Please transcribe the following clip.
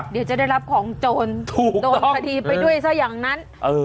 เดี๋ยวจะได้รับของโจรถูกโดนคดีไปด้วยซะอย่างนั้น